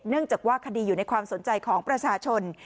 จากว่าคดีอยู่ในความสนใจของประชาชน